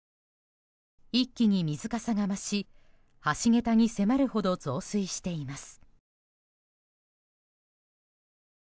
一気に水かさが増し橋げたに迫るほど増水しています。